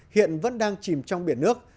hiện vẫn đang chìm trong biển nước